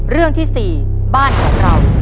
เรื่องที่๔บ้านของเรา